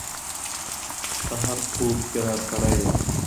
په هر خوب کي راسره یې